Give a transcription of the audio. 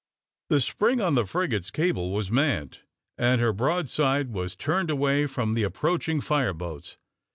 The spring on the frigate's cable was manned, and her broadside was turned away from the approaching fire ships.